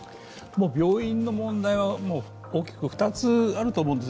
病院の問題は大きく２つあると思うんです。